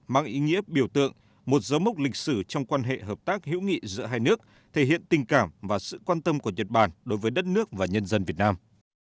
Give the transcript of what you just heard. mang ý nghĩa biểu tượng một dấu mốc lịch sử trong quan hệ hợp tác hữu nghị giữa hai nước thể hiện tình cảm và sự quan tâm của nhật bản đối với đất nước và nhân dân việt nam